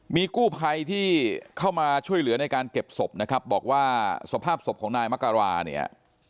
มีกู้ภัยที่เข้ามาช่วยเหลือในการเก็บศพนะครับบอกว่าสภาพศพของนายมกราเนี่ย